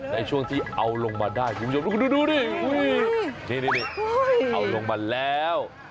ในช่วงที่เอาลงมาได้ดูนี่เอาลงมาแล้ว